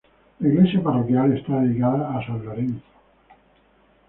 La iglesia parroquial está dedicada a San Lorenzo.